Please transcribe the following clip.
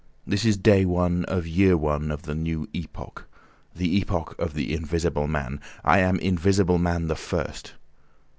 This is day one of year one of the new epoch—the Epoch of the Invisible Man. I am Invisible Man the First.